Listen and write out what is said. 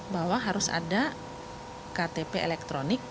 bahwa harus ada ktp elektronik